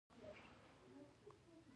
بزګر له طبیعت سره سوله کوي